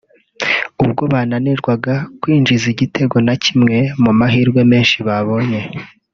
ubwo bananirwaga kwinjiza igitego na kimwe mu mahirwe menshi babonye